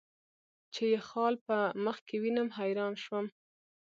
چې یې خال په مخ کې وینم، حیران شوم.